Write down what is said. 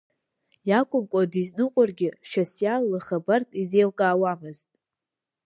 Иакәымкәа дизныҟәаргьы, Шьасиа лыхабарк изеилкаауамызт.